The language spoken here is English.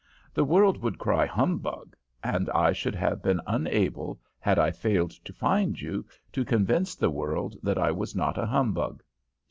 The world would cry humbug, and I should have been unable, had I failed to find you, to convince the world that I was not a humbug.